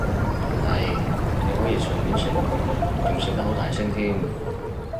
係，你可以隨便食，仲食得好大聲添